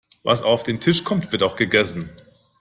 Was auf den Tisch kommt, wird auch gegessen.